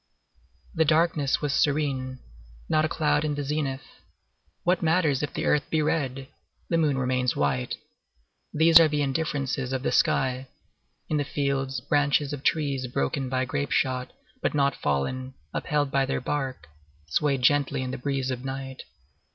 The darkness was serene. Not a cloud in the zenith. What matters it if the earth be red! the moon remains white; these are the indifferences of the sky. In the fields, branches of trees broken by grape shot, but not fallen, upheld by their bark, swayed gently in the breeze of night.